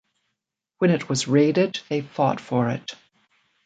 When it was raided, they fought for it.